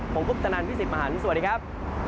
ผมกุ๊บจนันทร์พี่สิทธิ์มหันธ์สวัสดีครับ